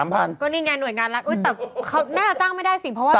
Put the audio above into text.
ก็นี่ไงหน่วยงานรักแต่เขาน่าจะจ้างไม่ได้สิ